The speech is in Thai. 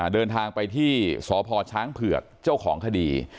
เดินทางไปที่สพช้างเผือกเจ้าของคดี